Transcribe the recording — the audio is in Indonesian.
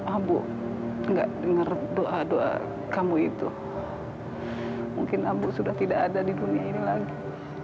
abu enggak dengar doa doa kamu itu mungkin abu sudah tidak ada di dunia ini lagi